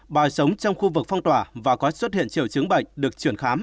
bà sống trong khu vực phong tỏa và có xuất hiện triệu chứng bệnh được chuyển khám